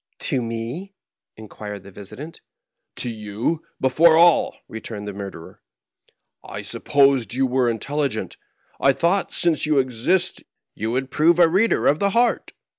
"To me?" inquired the visitant. "To you before aU," returned the murderer. "I supposed you were intelligent. I thought — since you exist — ^you would prove a reader of the heart.